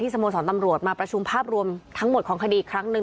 สโมสรตำรวจมาประชุมภาพรวมทั้งหมดของคดีอีกครั้งหนึ่ง